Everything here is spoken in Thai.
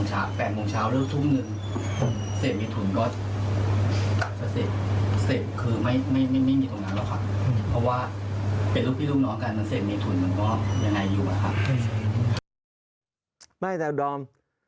ไม่ตามแต่ผม